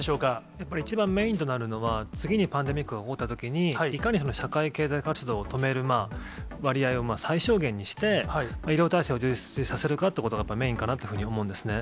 やっぱり一番メインとなるのは、次にパンデミックが起こったときに、いかに社会経済活動を止める割合を最小限にして、医療体制を充実させるかというのがメインかなというふうに思うんですね。